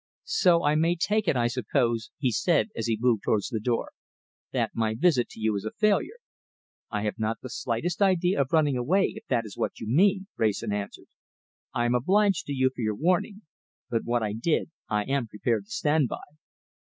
"So I may take it, I suppose," he said, as he moved towards the door, "that my visit to you is a failure?" "I have not the slightest idea of running away, if that is what you mean," Wrayson answered. "I am obliged to you for your warning, but what I did I am prepared to stand by."